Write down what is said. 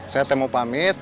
saya teh mau pamit